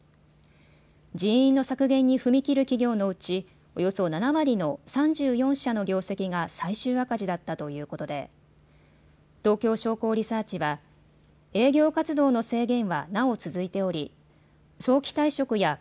人員の削減に踏み切る企業のうちおよそ７割の３４社の業績が最終赤字だったということで東京商工リサーチはここからは関東甲信のニュースです。